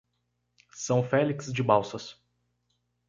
São Félix de Balsas